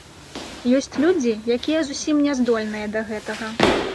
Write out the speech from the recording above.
Ёсць людзі, якія зусім не здольныя да гэтага.